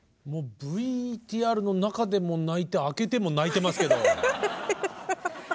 もうＶＴＲの中でも泣いてあけても泣いてますけど。